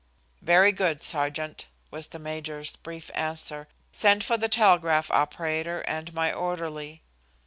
"Very good, sergeant," was the major's brief answer. "Send for the telegraph operator and my orderly."